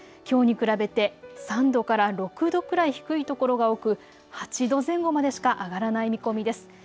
きょうに比べて３度から６度くらい低いところが多く８度前後までしか上がらない見込みです。